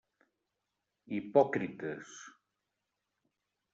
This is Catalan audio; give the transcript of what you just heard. Hipòcrites!